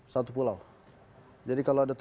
satu pulau jadi kalau ada tujuh belas